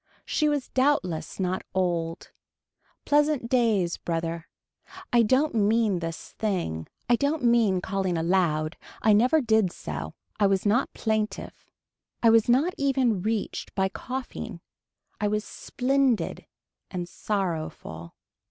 She was doubtless not old. Pleasant days brother. I don't mean this thing. I don't mean calling aloud, I never did so, I was not plaintive. I was not even reached by coughing. I was splendid and sorrowful.